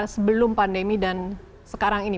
sebelum pandemi dan sekarang ini